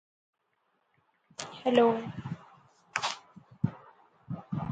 Intense pain may indicate such situation.